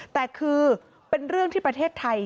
แต่คือเป็นเรื่องที่ประเทศไทย